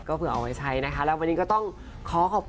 คุณผู้ชมไม่เจนเลยค่ะถ้าลูกคุณออกมาได้มั้ยคะ